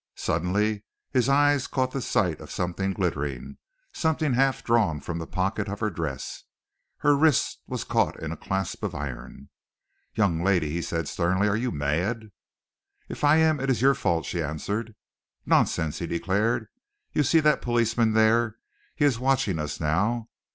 Suddenly his eyes caught the sight of something glittering, something half drawn from the pocket of her dress. Her wrist was caught in a clasp of iron. "Young lady," he said sternly, "are you mad?" "If I am, it is your fault," she answered. "Nonsense!" he declared. "You see that policeman there? He is watching us now.